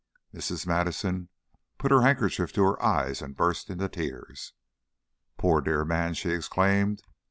Mrs. Madison put her handkerchief to her eyes and burst into tears. "Poor dear man!" she exclaimed.